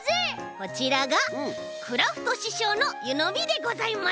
こちらがクラフトししょうのゆのみでございます。